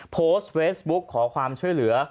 โพสต์เฟซบุ๊กขอความช่วยเหลือ